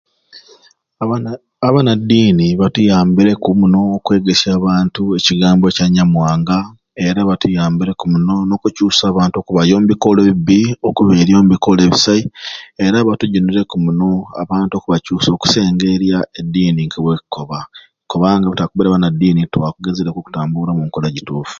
Aba abanadiini batuyambireku muno kwegesya abantu ekigambo ky'nyamwanga era batuyabire ku muno n'okukyusa abantu okubaiya omubikola ebibi okubairya omubikola ebisai era batujunireku muno abantu okubakyusa okusengerya ediini kebwekoba kubanga tebakubeere banadiini tetwandigezereku kutambura mu nkola gituufu